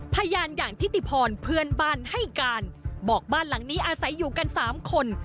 พยานอย่างทิติพรเพื่อนบ้านให้การบอกบ้านหลังนี้อาศัยอยู่กัน๓คน